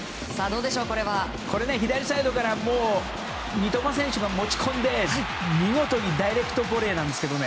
左サイドから三笘選手が持ち込んで見事にダイレクトボレーなんですけど。